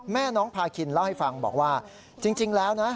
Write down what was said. แม่น้องพาคินเล่าให้ฟังบอกว่าจริงแล้วนะ